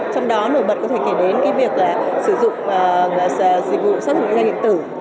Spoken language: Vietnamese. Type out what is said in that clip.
trong đó nổi bật có thể kể đến việc sử dụng dịch vụ sát thục định danh điện tử